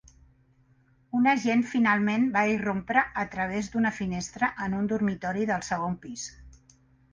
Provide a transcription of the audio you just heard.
Un agent finalment va irrompre a través d'una finestra en un dormitori del segon pis.